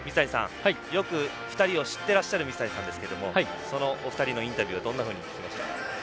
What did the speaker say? よく２人を知ってらっしゃる水谷さんですけどもそのお二人のインタビューどんなふうに聞きましたか？